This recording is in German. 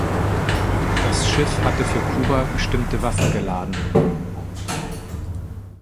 Das Schiff hatte für Kuba bestimmte Waffen geladen.